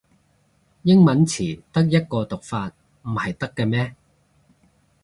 英文詞得一個讀法唔係得咖咩